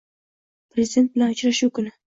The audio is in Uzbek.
Prezident bilan uchrashuv kuni